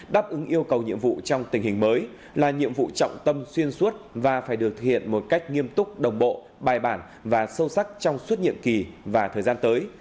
đáp ứng yêu cầu nhiệm vụ trong tình hình mới là nhiệm vụ trọng tâm xuyên suốt và phải được thực hiện một cách nghiêm túc đồng bộ bài bản và sâu sắc trong suốt nhiệm kỳ và thời gian tới